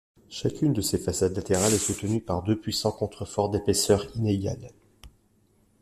Chacune de ses façades latérales est soutenue par deux puissants contreforts d'épaisseur inégale.